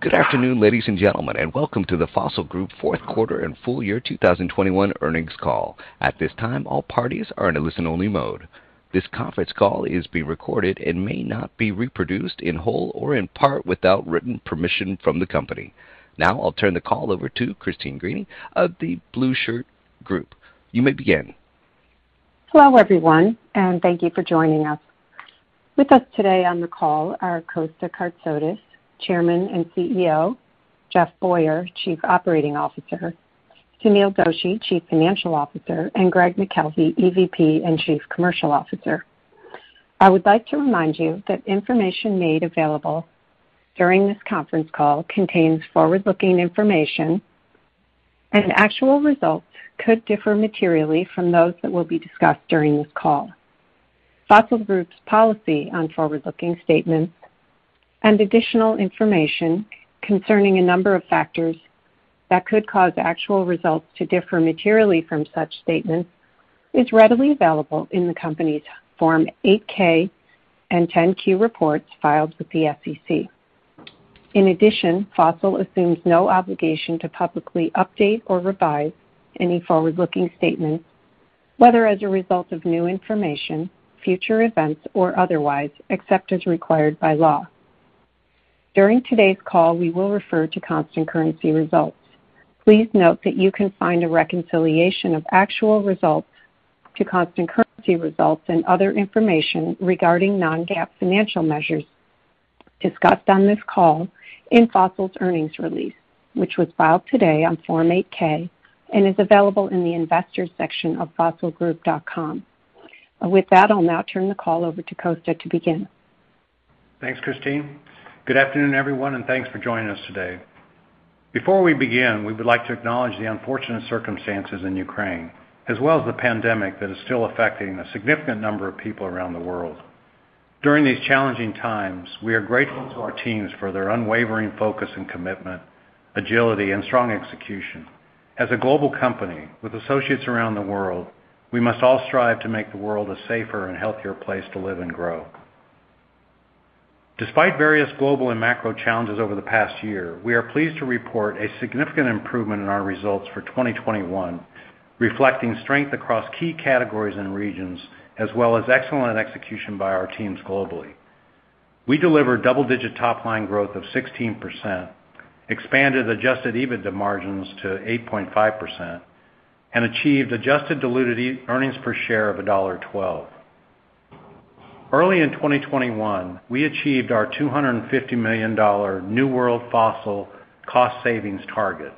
Good afternoon, ladies and gentlemen, and Welcome to The Fossil Group Fourth Quarter and Full Year 2021 Earnings Call. At this time, all parties are in a listen-only mode. This conference call is being recorded and may not be reproduced in whole or in part without written permission from the company. Now, I'll turn the call over to Christine Greany of The Blueshirt Group. You may begin. Hello, everyone, and thank you for joining us. With us today on the call are Kosta Kartsotis, Chairman and Chief Executive Officer; Jeff Boyer, Chief Operating Officer; Sunil Doshi, Chief Financial Officer; and Greg McKelvey, Executive Vice President and Chief Commercial Officer. I would like to remind you that information made available during this conference call contains forward-looking information, and actual results could differ materially from those that will be discussed during this call. Fossil Group's policy on forward-looking statements and additional information concerning a number of factors that could cause actual results to differ materially from such statements is readily available in the company's Form 8-K and 10-Q reports filed with the SEC. In addition, Fossil assumes no obligation to publicly update or revise any forward-looking statements, whether as a result of new information, future events, or otherwise, except as required by law. During today's call, we will refer to constant currency results. Please note that you can find a reconciliation of actual results to constant currency results and other information regarding non-GAAP financial measures discussed on this call in Fossil Group's earnings release, which was filed today on Form 8-K and is available in the Investors section of fossilgroup.com. With that, I'll now turn the call over to Kosta to begin. Thanks, Christine. Good afternoon, everyone, and thanks for joining us today. Before we begin, we would like to acknowledge the unfortunate circumstances in Ukraine, as well as the pandemic that is still affecting a significant number of people around the world. During these challenging times, we are grateful to our teams for their unwavering focus and commitment, agility, and strong execution. As a global company with associates around the world, we must all strive to make the world a safer and healthier place to live and grow. Despite various global and macro challenges over the past year, we are pleased to report a significant improvement in our results for 2021, reflecting strength across key categories and regions, as well as excellent execution by our teams globally. We delivered double-digit top-line growth of 16%, expanded adjusted EBITDA margins to 8.5%, and achieved adjusted diluted earnings per share of $1.12. Early in 2021, we achieved our $250 million New World Fossil cost savings target.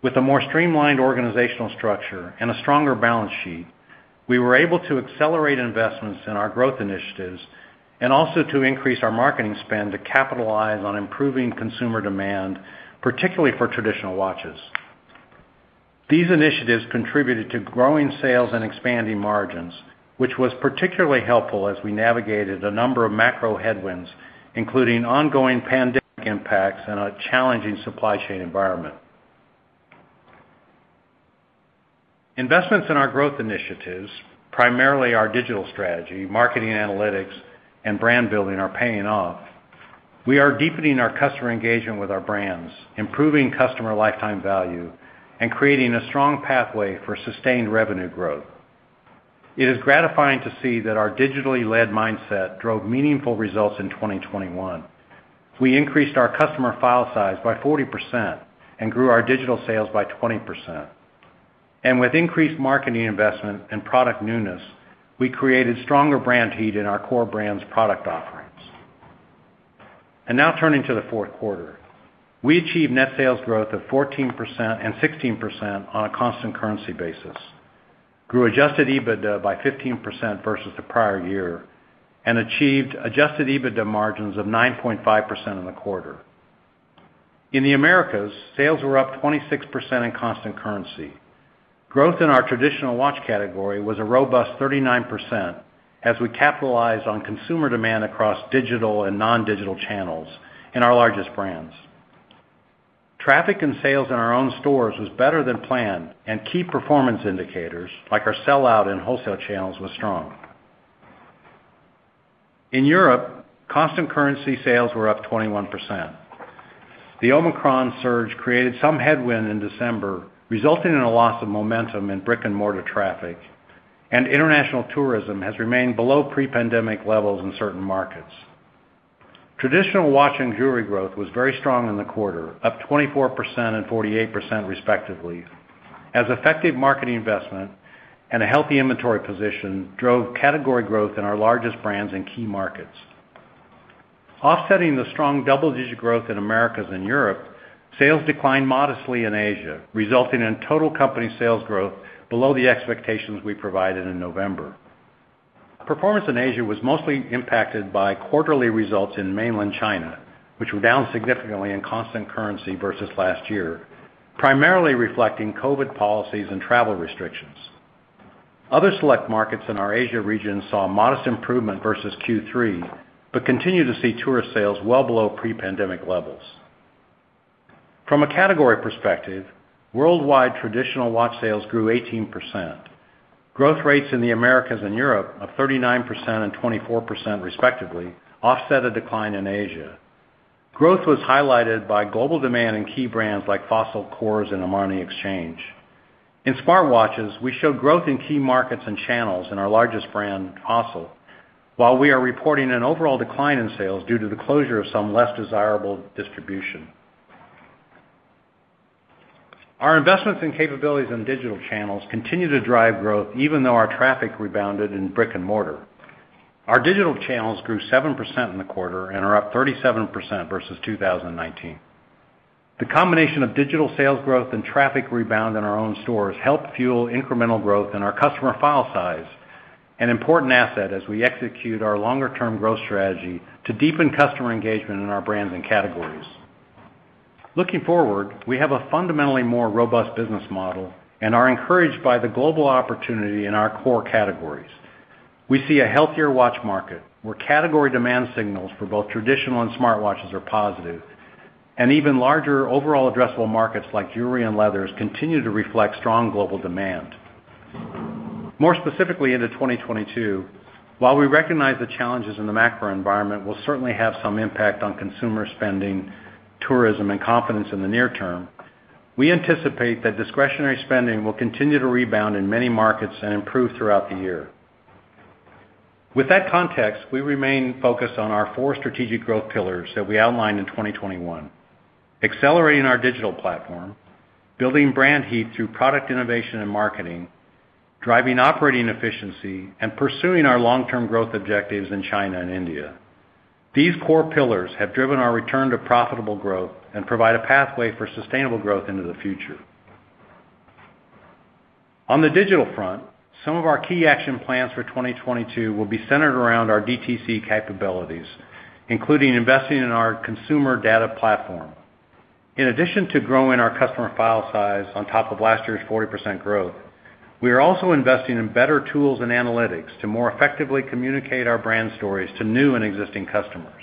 With a more streamlined organizational structure and a stronger balance sheet, we were able to accelerate investments in our growth initiatives and also to increase our marketing spend to capitalize on improving consumer demand, particularly for traditional watches. These initiatives contributed to growing sales and expanding margins, which was particularly helpful as we navigated a number of macro headwinds, including ongoing pandemic impacts and a challenging supply chain environment. Investments in our growth initiatives, primarily our digital strategy, marketing analytics, and brand building, are paying off. We are deepening our customer engagement with our brands, improving customer lifetime value, and creating a strong pathway for sustained revenue growth. It is gratifying to see that our digitally led mindset drove meaningful results in 2021. We increased our customer file size by 40% and grew our digital sales by 20%. With increased marketing investment and product newness, we created stronger brand heat in our core brands' product offerings. Now turning to the fourth quarter. We achieved net sales growth of 14% and 16% on a constant currency basis, grew Adjusted EBITDA by 15% versus the prior year, and achieved Adjusted EBITDA margins of 9.5% in the quarter. In the Americas, sales were up 26% in constant currency. Growth in our traditional watch category was a robust 39% as we capitalized on consumer demand across digital and non-digital channels in our largest brands. Traffic and sales in our own stores was better than planned, and key performance indicators, like our sell-out in wholesale channels, was strong. In Europe, constant currency sales were up 21%. The Omicron surge created some headwind in December, resulting in a loss of momentum in brick-and-mortar traffic, and international tourism has remained below pre-pandemic levels in certain markets. Traditional watch and jewelry growth was very strong in the quarter, up 24% and 48% respectively, as effective marketing investment and a healthy inventory position drove category growth in our largest brands in key markets. Offsetting the strong double-digit growth in Americas and Europe, sales declined modestly in Asia, resulting in total company sales growth below the expectations we provided in November. Performance in Asia was mostly impacted by quarterly results in mainland China, which were down significantly in constant currency versus last year, primarily reflecting COVID policies and travel restrictions. Other select markets in our Asia region saw a modest improvement versus Q3, but continue to see tourist sales well below pre-pandemic levels. From a category perspective, worldwide traditional watch sales grew 18%. Growth rates in the Americas and Europe of 39% and 24% respectively, offset a decline in Asia. Growth was highlighted by global demand in key brands like Fossil, Kors, and Armani Exchange. In smartwatches, we showed growth in key markets and channels in our largest brand, Fossil. While we are reporting an overall decline in sales due to the closure of some less desirable distribution. Our investments and capabilities in digital channels continue to drive growth even though our traffic rebounded in brick-and-mortar. Our digital channels grew 7% in the quarter and are up 37% versus 2019. The combination of digital sales growth and traffic rebound in our own stores helped fuel incremental growth in our customer file size, an important asset as we execute our longer-term growth strategy to deepen customer engagement in our brands and categories. Looking forward, we have a fundamentally more robust business model and are encouraged by the global opportunity in our core categories. We see a healthier watch market, where category demand signals for both traditional and smartwatches are positive, and even larger overall addressable markets like jewelry and leathers continue to reflect strong global demand. More specifically into 2022, while we recognize the challenges in the macro environment will certainly have some impact on consumer spending, tourism, and confidence in the near term, we anticipate that discretionary spending will continue to rebound in many markets and improve throughout the year. With that context, we remain focused on our four strategic growth pillars that we outlined in 2021. Accelerating our digital platform, building brand heat through product innovation and marketing, driving operating efficiency, and pursuing our long-term growth objectives in China and India. These core pillars have driven our return to profitable growth and provide a pathway for sustainable growth into the future. On the digital front, some of our key action plans for 2022 will be centered around our DTC capabilities, including investing in our consumer data platform. In addition to growing our customer file size on top of last year's 40% growth, we are also investing in better tools and analytics to more effectively communicate our brand stories to new and existing customers.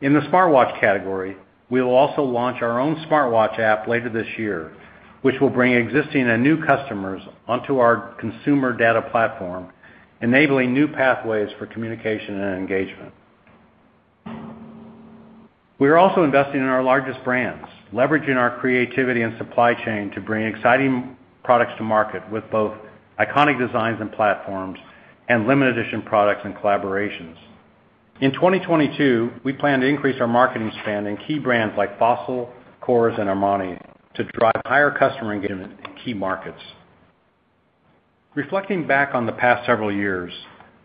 In the smartwatch category, we will also launch our own smartwatch app later this year, which will bring existing and new customers onto our consumer data platform, enabling new pathways for communication and engagement. We are also investing in our largest brands, leveraging our creativity and supply chain to bring exciting products to market with both iconic designs and platforms and limited edition products and collaborations. In 2022, we plan to increase our marketing spend in key brands like Fossil, Kors, and Armani to drive higher customer engagement in key markets. Reflecting back on the past several years,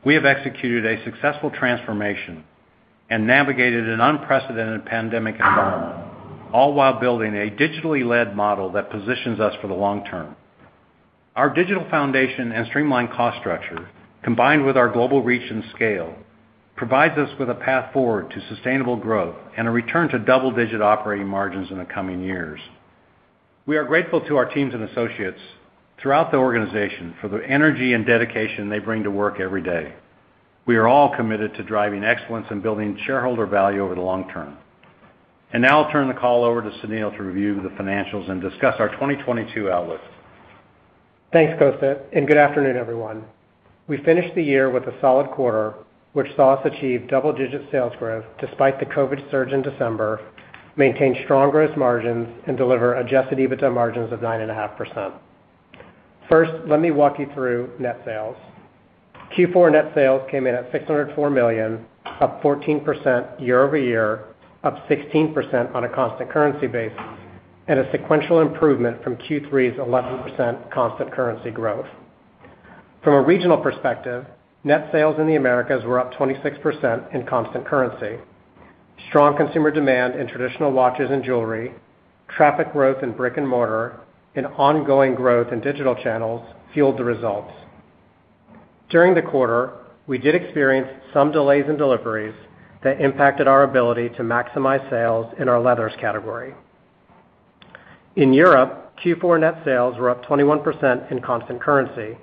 we have executed a successful transformation and navigated an unprecedented pandemic environment, all while building a digitally-led model that positions us for the long term. Our digital foundation and streamlined cost structure, combined with our global reach and scale, provides us with a path forward to sustainable growth and a return to double-digit operating margins in the coming years. We are grateful to our teams and associates throughout the organization for the energy and dedication they bring to work every day. We are all committed to driving excellence and building shareholder value over the long term. Now I'll turn the call over to Sunil to review the financials and discuss our 2022 outlook. Thanks, Kosta, and good afternoon, everyone. We finished the year with a solid quarter, which saw us achieve double-digit sales growth despite the COVID surge in December, maintain strong gross margins, and deliver Adjusted EBITDA margins of 9.5%. First, let me walk you through net sales. Q4 net sales came in at $604 million, up 14% year-over-year, up 16% on a constant currency basis, and a sequential improvement from Q3's 11% constant currency growth. From a regional perspective, net sales in the Americas were up 26% in constant currency. Strong consumer demand in traditional watches and jewelry, traffic growth in brick and mortar, and ongoing growth in digital channels fueled the results. During the quarter, we did experience some delays in deliveries that impacted our ability to maximize sales in our leathers category. In Europe, Q4 net sales were up 21% in constant currency,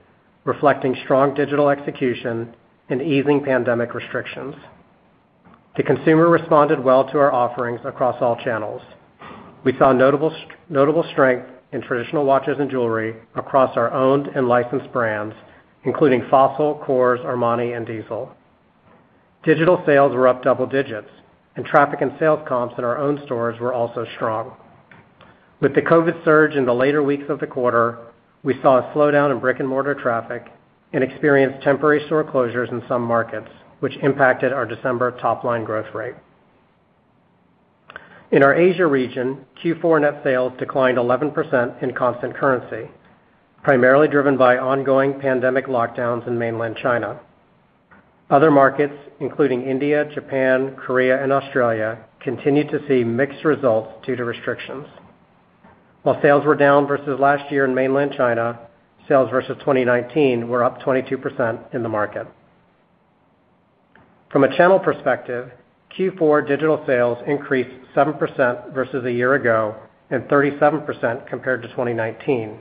reflecting strong digital execution and easing pandemic restrictions. The consumer responded well to our offerings across all channels. We saw notable strength in traditional watches and jewelry across our owned and licensed brands, including Fossil, Kors, Armani, and Diesel. Digital sales were up double digits, and traffic and sales comps in our own stores were also strong. With the COVID surge in the later weeks of the quarter, we saw a slowdown in brick-and-mortar traffic and experienced temporary store closures in some markets, which impacted our December top-line growth rate. In our Asia region, Q4 net sales declined 11% in constant currency, primarily driven by ongoing pandemic lockdowns in mainland China. Other markets, including India, Japan, Korea, and Australia, continued to see mixed results due to restrictions. While sales were down versus last year in mainland China, sales versus 2019 were up 22% in the market. From a channel perspective, Q4 digital sales increased 7% versus a year ago and 37% compared to 2019.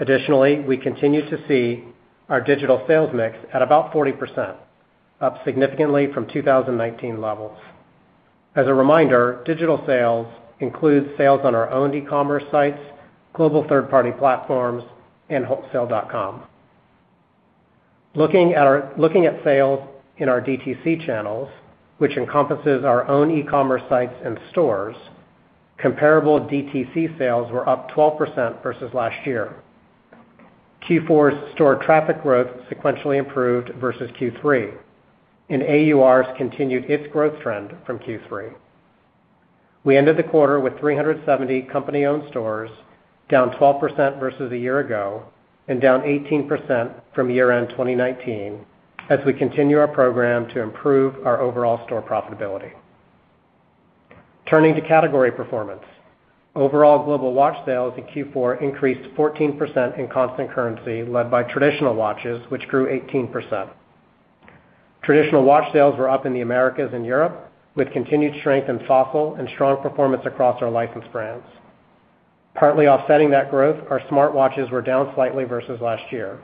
Additionally, we continue to see our digital sales mix at about 40%, up significantly from 2019 levels. As a reminder, digital sales includes sales on our own e-commerce sites, global third-party platforms, and wholesale.com. Looking at sales in our DTC channels, which encompasses our own e-commerce sites and stores, comparable DTC sales were up 12% versus last year. Q4's store traffic growth sequentially improved versus Q3, and AURs continued its growth trend from Q3. We ended the quarter with 370 company-owned stores, down 12% versus a year ago and down 18% from year-end 2019, as we continue our program to improve our overall store profitability. Turning to category performance. Overall global watch sales in Q4 increased 14% in constant currency, led by traditional watches, which grew 18%. Traditional watch sales were up in the Americas and Europe, with continued strength in Fossil and strong performance across our licensed brands. Partly offsetting that growth, our smartwatches were down slightly versus last year.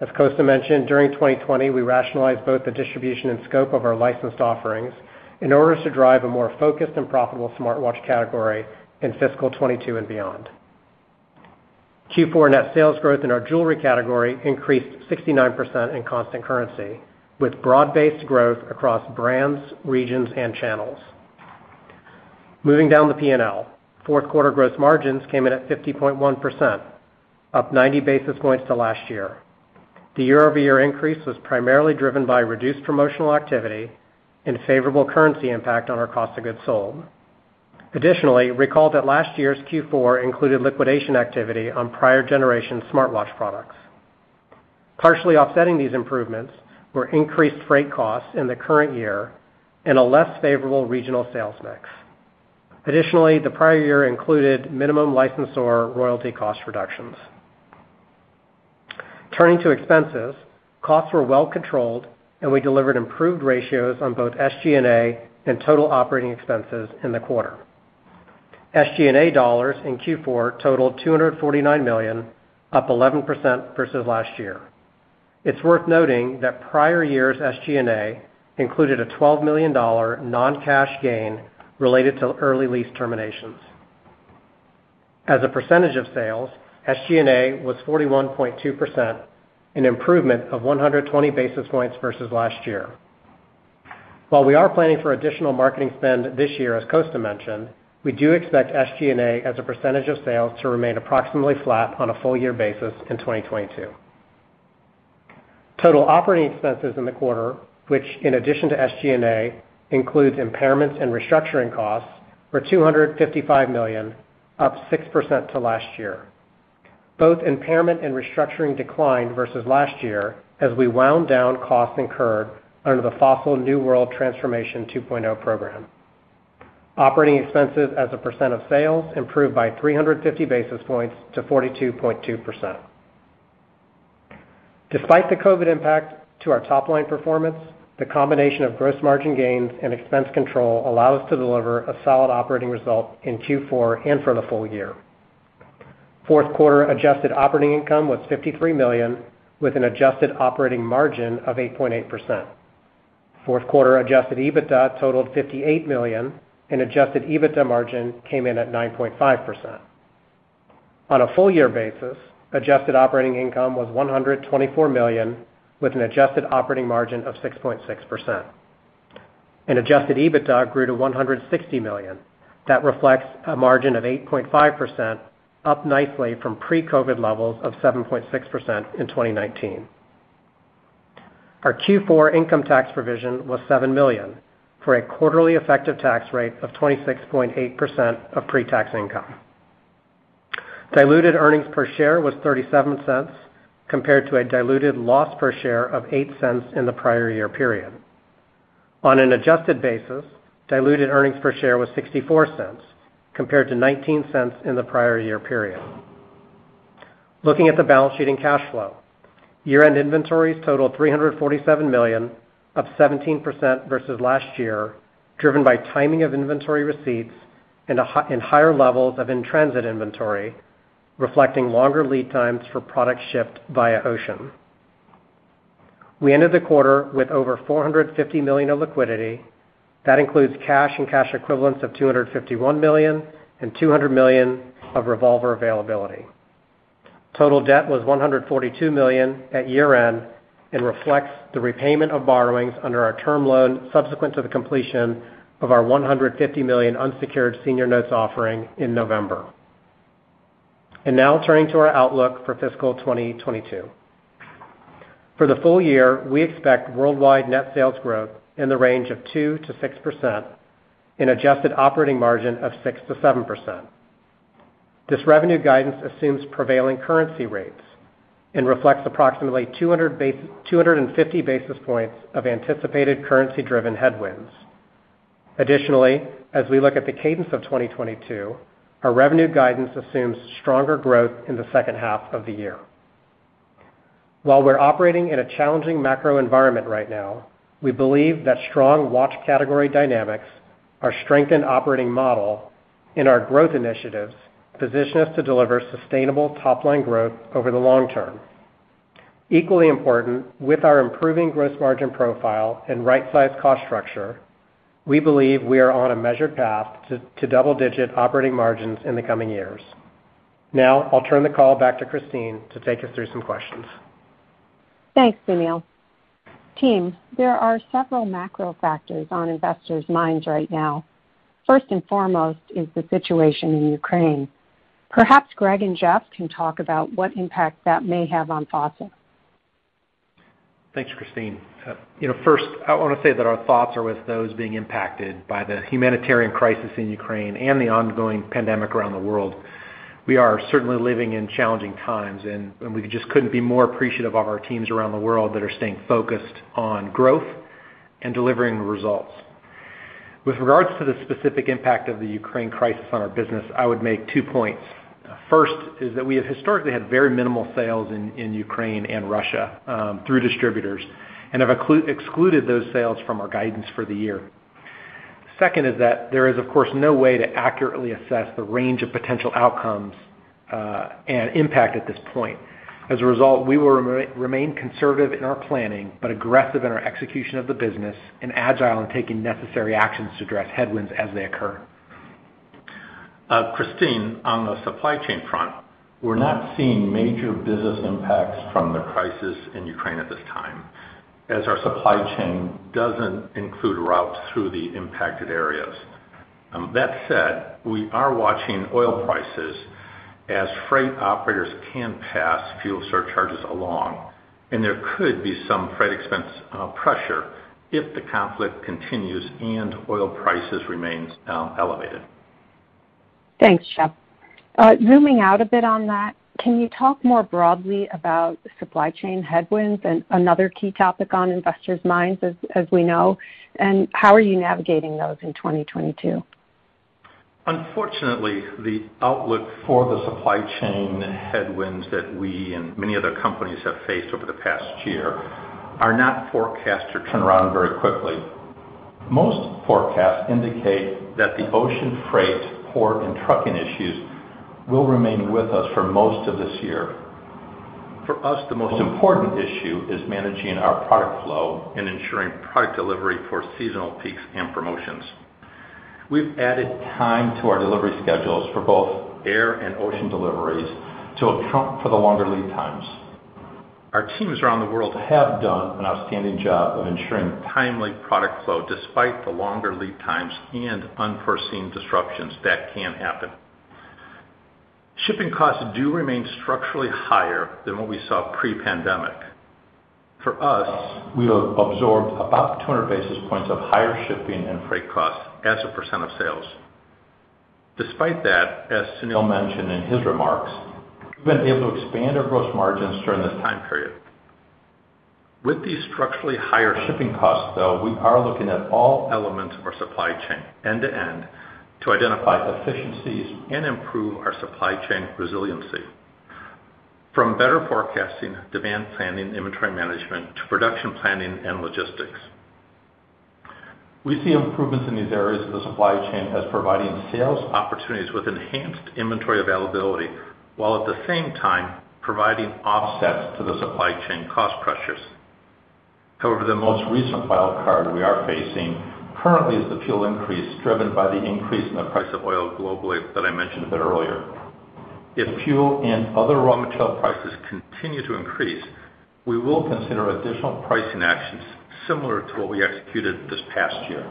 As Kosta mentioned, during 2020, we rationalized both the distribution and scope of our licensed offerings in order to drive a more focused and profitable smartwatch category in fiscal 2022 and beyond. Q4 net sales growth in our jewelry category increased 69% in constant currency, with broad-based growth across brands, regions, and channels. Moving down the P&L. Fourth quarter gross margins came in at 50.1%, up 90 basis points to last year. The year-over-year increase was primarily driven by reduced promotional activity and favorable currency impact on our cost of goods sold. Additionally, recall that last year's Q4 included liquidation activity on prior generation smartwatch products. Partially offsetting these improvements were increased freight costs in the current year and a less favorable regional sales mix. Additionally, the prior year included minimum license or royalty cost reductions. Turning to expenses. Costs were well-controlled, and we delivered improved ratios on both SG&A and total operating expenses in the quarter. SG&A dollars in Q4 totaled $249 million, up 11% versus last year. It's worth noting that prior year's SG&A included a $12 million non-cash gain related to early lease terminations. As a % of sales, SG&A was 41.2%, an improvement of 120 basis points versus last year. While we are planning for additional marketing spend this year, as Kosta mentioned, we do expect SG&A as a % of sales to remain approximately flat on a full-year basis in 2022. Total operating expenses in the quarter, which in addition to SG&A, includes impairments and restructuring costs, were $255 million, up 6% to last year. Both impairment and restructuring declined versus last year as we wound down costs incurred under the Fossil New World Transformation 2.0 program. Operating expenses as a % of sales improved by 350 basis points to 42.2%. Despite the COVID impact to our top-line performance, the combination of gross margin gains and expense control allow us to deliver a solid operating result in Q4 and for the full year. Fourth quarter adjusted operating income was $53 million, with an adjusted operating margin of 8.8%. Fourth quarter Adjusted EBITDA totaled $58 million, and Adjusted EBITDA margin came in at 9.5%. On a full year basis, adjusted operating income was $124 million, with an adjusted operating margin of 6.6%. Adjusted EBITDA grew to $160 million. That reflects a margin of 8.5%, up nicely from pre-COVID levels of 7.6% in 2019. Our Q4 income tax provision was $7 million, for a quarterly effective tax rate of 26.8% of pre-tax income. Diluted earnings per share was $0.37, compared to a diluted loss per share of $0.08 in the prior year period. On an adjusted basis, diluted earnings per share was $0.64, compared to $0.19 in the prior year period. Looking at the balance sheet and cash flow. Year-end inventories totaled $347 million, up 17% versus last year, driven by timing of inventory receipts and higher levels of in-transit inventory, reflecting longer lead times for products shipped via ocean. We ended the quarter with over $450 million of liquidity. That includes cash and cash equivalents of $251 million and $200 million of revolver availability. Total debt was $142 million at year-end and reflects the repayment of borrowings under our term loan subsequent to the completion of our $150 million unsecured senior notes offering in November. Now turning to our outlook for fiscal 2022. For the full year, we expect worldwide net sales growth in the range of 2%-6% and adjusted operating margin of 6%-7%. This revenue guidance assumes prevailing currency rates and reflects approximately 250 basis points of anticipated currency-driven headwinds. Additionally, as we look at the cadence of 2022, our revenue guidance assumes stronger growth in the second half of the year. While we're operating in a challenging macro environment right now, we believe that strong watch category dynamics, our strengthened operating model, and our growth initiatives position us to deliver sustainable top-line growth over the long term. Equally important, with our improving gross margin profile and right-sized cost structure, we believe we are on a measured path to double-digit operating margins in the coming years. Now, I'll turn the call back to Christine to take us through some questions. Thanks, Sunil. Team, there are several macro factors on investors' minds right now. First and foremost is the situation in Ukraine. Perhaps Greg and Jeff can talk about what impact that may have on Fossil. Thanks, Christine. You know, first, I wanna say that our thoughts are with those being impacted by the humanitarian crisis in Ukraine and the ongoing pandemic around the world. We are certainly living in challenging times, and we just couldn't be more appreciative of our teams around the world that are staying focused on growth and delivering results. With regards to the specific impact of the Ukraine crisis on our business, I would make two points. First is that we have historically had very minimal sales in Ukraine and Russia through distributors and have excluded those sales from our guidance for the year. Second is that there is, of course, no way to accurately assess the range of potential outcomes and impact at this point. As a result, we will remain conservative in our planning, but aggressive in our execution of the business and agile in taking necessary actions to address headwinds as they occur. Christine, on the supply chain front, we're not seeing major business impacts from the crisis in Ukraine at this time, as our supply chain doesn't include routes through the impacted areas. That said, we are watching oil prices as freight operators can pass fuel surcharges along, and there could be some freight expense pressure if the conflict continues and oil prices remains elevated. Thanks, Jeff. Zooming out a bit on that, can you talk more broadly about supply chain headwinds and another key topic on investors' minds, as we know, and how are you navigating those in 2022? Unfortunately, the outlook for the supply chain headwinds that we and many other companies have faced over the past year are not forecast to turn around very quickly. Most forecasts indicate that the ocean freight, port, and trucking issues will remain with us for most of this year. For us, the most important issue is managing our product flow and ensuring product delivery for seasonal peaks and promotions. We've added time to our delivery schedules for both air and ocean deliveries to account for the longer lead times. Our teams around the world have done an outstanding job of ensuring timely product flow despite the longer lead times and unforeseen disruptions that can happen. Shipping costs do remain structurally higher than what we saw pre-pandemic. For us, we have absorbed about 200 basis points of higher shipping and freight costs as a percent of sales. Despite that, as Sunil mentioned in his remarks, we've been able to expand our gross margins during this time period. With these structurally higher shipping costs, though, we are looking at all elements of our supply chain end to end to identify efficiencies and improve our supply chain resiliency, from better forecasting, demand planning, inventory management to production planning and logistics. We see improvements in these areas of the supply chain as providing sales opportunities with enhanced inventory availability, while at the same time providing offsets to the supply chain cost pressures. However, the most recent wild card we are facing currently is the fuel increase driven by the increase in the price of oil globally that I mentioned a bit earlier. If fuel and other raw material prices continue to increase, we will consider additional pricing actions similar to what we executed this past year.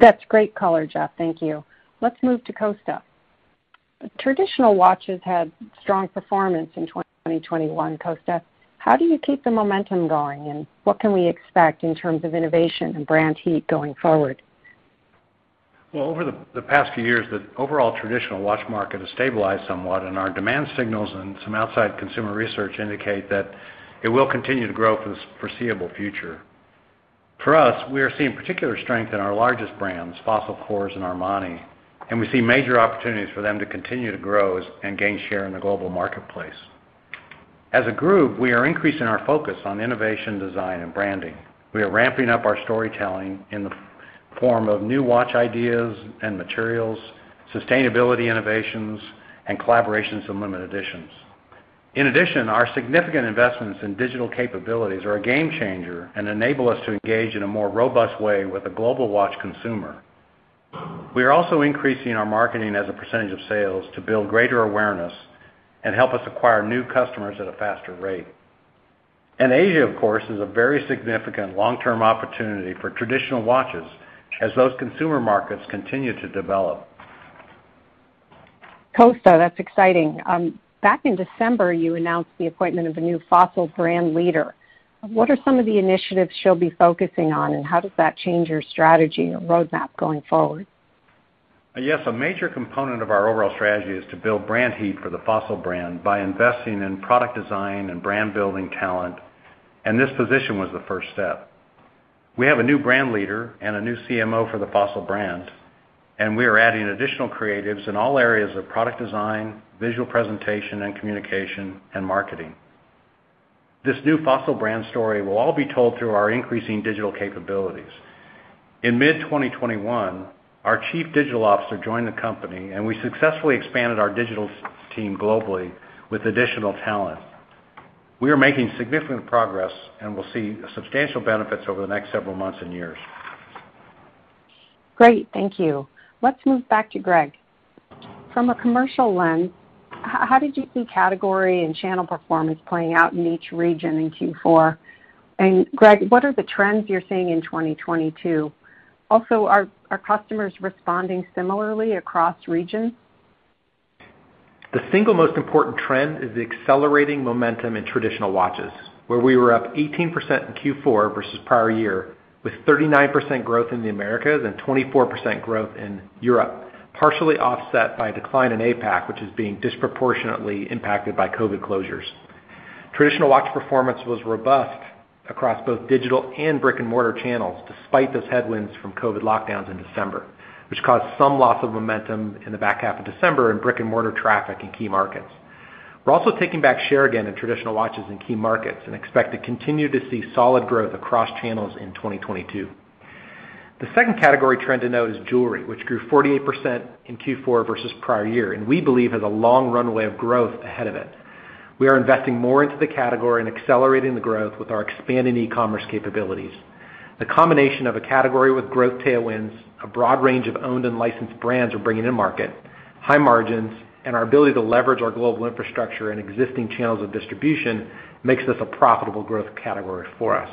That's great color, Jeff, thank you. Let's move to Kosta. Traditional watches had strong performance in 2021, Kosta. How do you keep the momentum going, and what can we expect in terms of innovation and brand heat going forward? Well, over the past few years, the overall traditional watch market has stabilized somewhat, and our demand signals and some outside consumer research indicate that it will continue to grow for the foreseeable future. For us, we are seeing particular strength in our largest brands, Fossil, Kors, and Armani, and we see major opportunities for them to continue to grow and gain share in the global marketplace. As a group, we are increasing our focus on innovation, design, and branding. We are ramping up our storytelling in the form of new watch ideas and materials, sustainability innovations, and collaborations and limited editions. In addition, our significant investments in digital capabilities are a game changer and enable us to engage in a more robust way with the global watch consumer. We are also increasing our marketing as a percentage of sales to build greater awareness and help us acquire new customers at a faster rate. Asia, of course, is a very significant long-term opportunity for traditional watches as those consumer markets continue to develop. Kosta, that's exciting. Back in December, you announced the appointment of a new Fossil brand leader. What are some of the initiatives she'll be focusing on, and how does that change your strategy or roadmap going forward? Yes, a major component of our overall strategy is to build brand heat for the Fossil brand by investing in product design and brand-building talent, and this position was the first step. We have a new brand leader and a new CMO for the Fossil brand, and we are adding additional creatives in all areas of product design, visual presentation, and communication and marketing. This new Fossil brand story will all be told through our increasing digital capabilities. In mid 2021, our chief digital officer joined the company, and we successfully expanded our digital team globally with additional talent. We are making significant progress and will see substantial benefits over the next several months and years. Great, thank you. Let's move back to Greg. From a commercial lens, how did you see category and channel performance playing out in each region in Q4? And Greg, what are the trends you're seeing in 2022? Also, are customers responding similarly across regions? The single most important trend is the accelerating momentum in traditional watches, where we were up 18% in Q4 versus prior year, with 39% growth in the Americas and 24% growth in Europe, partially offset by a decline in APAC, which is being disproportionately impacted by COVID closures. Traditional watch performance was robust across both digital and brick-and-mortar channels, despite those headwinds from COVID lockdowns in December, which caused some loss of momentum in the back half of December in brick-and-mortar traffic in key markets. We're also taking back share again in traditional watches in key markets and expect to continue to see solid growth across channels in 2022. The second category trend to note is jewelry, which grew 48% in Q4 versus prior year, and we believe has a long runway of growth ahead of it. We are investing more into the category and accelerating the growth with our expanding e-commerce capabilities. The combination of a category with growth tailwinds, a broad range of owned and licensed brands we're bringing to market, high margins, and our ability to leverage our global infrastructure and existing channels of distribution makes this a profitable growth category for us.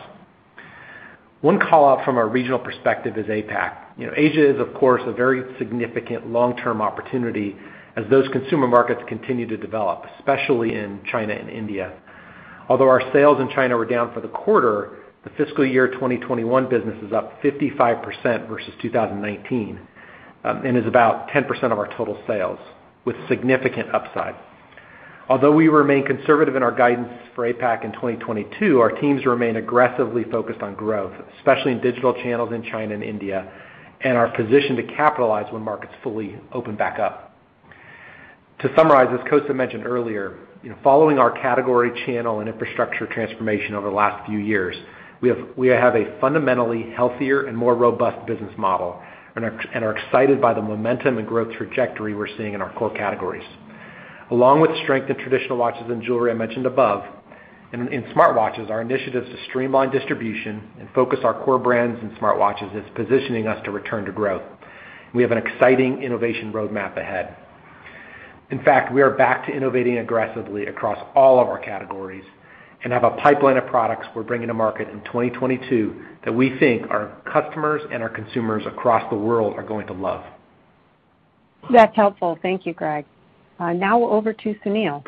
One call out from a regional perspective is APAC. You know, Asia is, of course, a very significant long-term opportunity as those consumer markets continue to develop, especially in China and India. Although our sales in China were down for the quarter, the fiscal year 2021 business is up 55% versus 2019, and is about 10% of our total sales with significant upside. Although we remain conservative in our guidance for APAC in 2022, our teams remain aggressively focused on growth, especially in digital channels in China and India, and are positioned to capitalize when markets fully open back up. To summarize, as Kosta mentioned earlier, you know, following our category, channel, and infrastructure transformation over the last few years, we have a fundamentally healthier and more robust business model and are excited by the momentum and growth trajectory we're seeing in our core categories. Along with strength in traditional watches and jewelry I mentioned above, in smartwatches, our initiatives to streamline distribution and focus our core brands in smartwatches is positioning us to return to growth. We have an exciting innovation roadmap ahead. In fact, we are back to innovating aggressively across all of our categories and have a pipeline of products we're bringing to market in 2022 that we think our customers and our consumers across the world are going to love. That's helpful. Thank you, Greg. Now over to Sunil.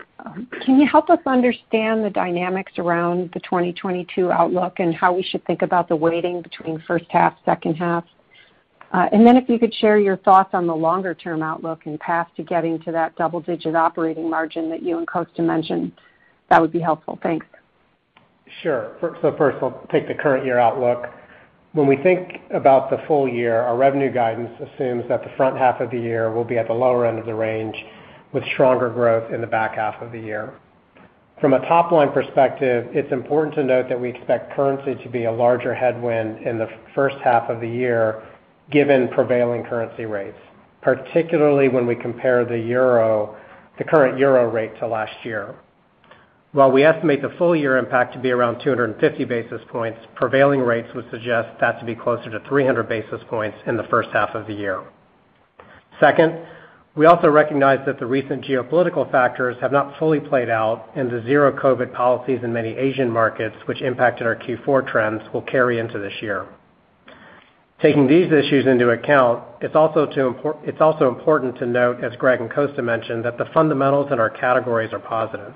Can you help us understand the dynamics around the 2022 outlook and how we should think about the weighting between first half, second half? If you could share your thoughts on the longer-term outlook and path to getting to that double-digit operating margin that you and Kosta mentioned, that would be helpful. Thanks. Sure. First, I'll take the current year outlook. When we think about the full year, our revenue guidance assumes that the front half of the year will be at the lower end of the range with stronger growth in the back half of the year. From a top-line perspective, it's important to note that we expect currency to be a larger headwind in the first half of the year given prevailing currency rates, particularly when we compare the euro, the current euro rate to last year. While we estimate the full year impact to be around 250 basis points, prevailing rates would suggest that to be closer to 300 basis points in the first half of the year. Second, we also recognize that the recent geopolitical factors have not fully played out in the zero COVID policies in many Asian markets, which impacted our Q4 trends, will carry into this year. Taking these issues into account, it's also important to note, as Greg and Kosta mentioned, that the fundamentals in our categories are positive.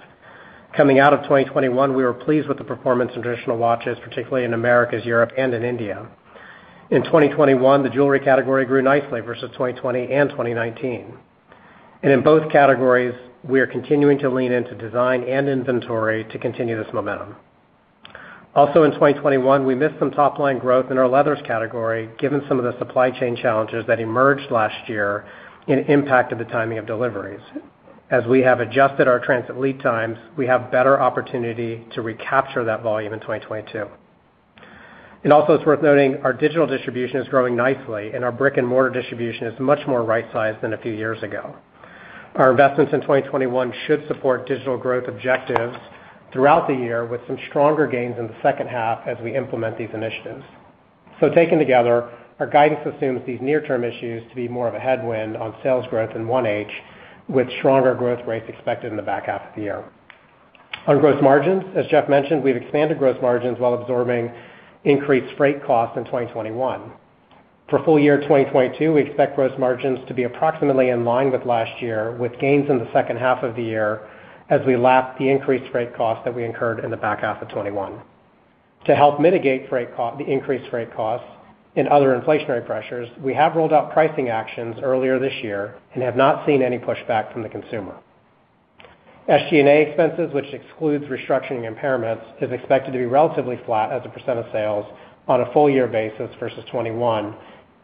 Coming out of 2021, we were pleased with the performance in traditional watches, particularly in Americas, Europe, and in India. In 2021, the jewelry category grew nicely versus 2020 and 2019. In both categories, we are continuing to lean into design and inventory to continue this momentum. Also, in 2021, we missed some top-line growth in our leathers category, given some of the supply chain challenges that emerged last year and impacted the timing of deliveries. As we have adjusted our transit lead times, we have better opportunity to recapture that volume in 2022. It also is worth noting our digital distribution is growing nicely, and our brick-and-mortar distribution is much more right-sized than a few years ago. Our investments in 2021 should support digital growth objectives throughout the year with some stronger gains in the second half as we implement these initiatives. Taken together, our guidance assumes these near-term issues to be more of a headwind on sales growth in H1, with stronger growth rates expected in the back half of the year. On gross margins, as Jeff mentioned, we've expanded gross margins while absorbing increased freight costs in 2021. For full year 2022, we expect gross margins to be approximately in line with last year, with gains in the second half of the year as we lap the increased freight costs that we incurred in the back half of 2021. To help mitigate the increased freight costs and other inflationary pressures, we have rolled out pricing actions earlier this year and have not seen any pushback from the consumer. SG&A expenses, which excludes restructuring impairments, is expected to be relatively flat as a percent of sales on a full year basis versus 2021,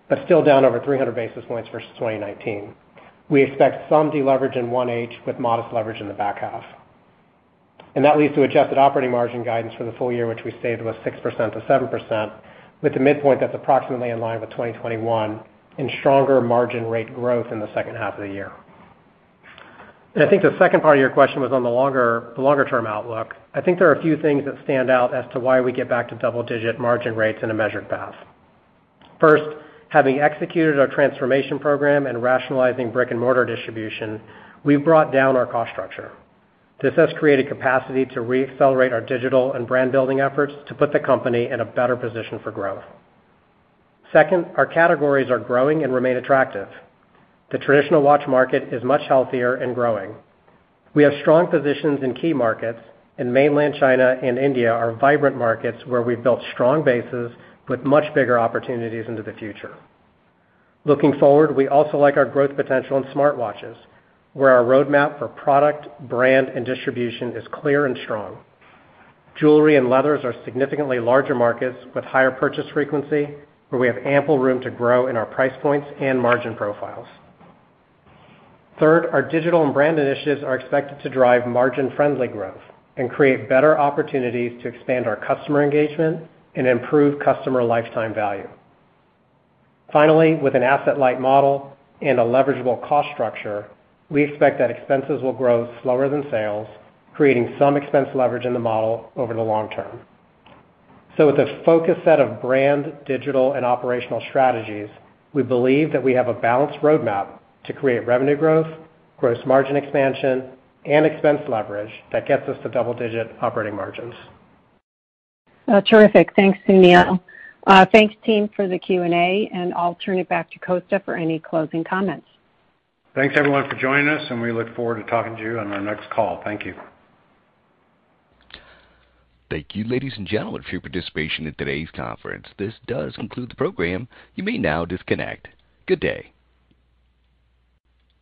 but still down over 300 basis points versus 2019. We expect some deleverage in H1 with modest leverage in the back half. That leads to adjusted operating margin guidance for the full year, which we say was 6%-7%, with the midpoint that's approximately in line with 2021 and stronger margin rate growth in the second half of the year. I think the second part of your question was on the longer-term outlook. I think there are a few things that stand out as to why we get back to double-digit margin rates in a measured path. First, having executed our transformation program and rationalizing brick-and-mortar distribution, we've brought down our cost structure. This has created capacity to re-accelerate our digital and brand-building efforts to put the company in a better position for growth. Second, our categories are growing and remain attractive. The traditional watch market is much healthier and growing. We have strong positions in key markets, and Mainland China and India are vibrant markets where we've built strong bases with much bigger opportunities into the future. Looking forward, we also like our growth potential in smartwatches, where our roadmap for product, brand, and distribution is clear and strong. Jewelry and leathers are significantly larger markets with higher purchase frequency, where we have ample room to grow in our price points and margin profiles. Third, our digital and brand initiatives are expected to drive margin-friendly growth and create better opportunities to expand our customer engagement and improve customer lifetime value. Finally, with an asset-light model and a leverageable cost structure, we expect that expenses will grow slower than sales, creating some expense leverage in the model over the long term. With a focused set of brand, digital, and operational strategies, we believe that we have a balanced roadmap to create revenue growth, gross margin expansion, and expense leverage that gets us to double-digit operating margins. Terrific. Thanks, Sunil. Thanks, team, for the Q&A, and I'll turn it back to Kosta for any closing comments. Thanks everyone for joining us, and we look forward to talking to you on our next call. Thank you. Thank you, ladies and gentlemen, for your participation in today's conference. This does conclude the program. You may now disconnect. Good day.